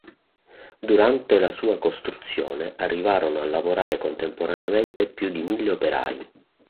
Durante la sua costruzione arrivarono a lavorare contemporaneamente più di mille operai.